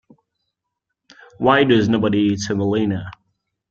Why does nobody eat semolina?